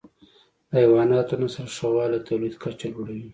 د حیواناتو نسل ښه والی د تولید کچه لوړه وي.